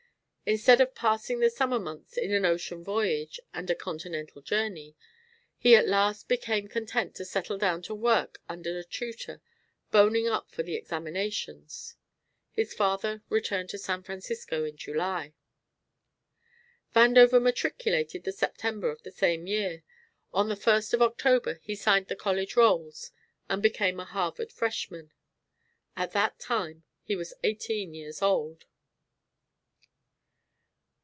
Instead of passing the summer months in an ocean voyage and a continental journey, he at last became content to settle down to work under a tutor, "boning up" for the examinations. His father returned to San Francisco in July. Vandover matriculated the September of the same year; on the first of October he signed the college rolls and became a Harvard freshman. At that time he was eighteen years old.